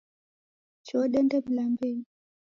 Choo dende mlambenyi .